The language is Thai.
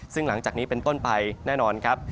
ซึ่งหลังจากนี้เป็นต้นไปแน่นอนครับ